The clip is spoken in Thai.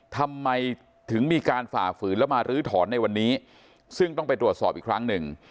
ทำไมถึงมีการฝ่าฝืนแล้วมาลื้อถอนในวันนี้ซึ่งต้องไปตรวจสอบอีกครั้งหนึ่ง